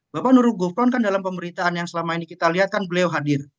bapak nurul gufron kan dalam pemberitaan yang selama ini kita lihat kan beliau hadir